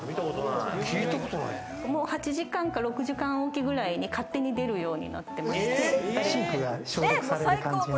８時間か６時間おきくらいに勝手に出るようになってまして。